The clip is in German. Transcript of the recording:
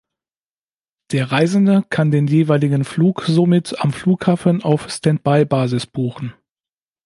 Der Reisende kann den jeweiligen Flug somit am Flughafen auf Stand-By-Basis buchen.